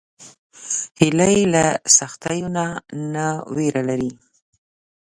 هیلۍ له سختیو نه نه ویره لري